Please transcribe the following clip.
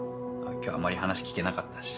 今日あまり話聞けなかったし。